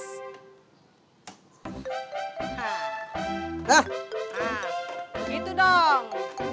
hah nah gitu dong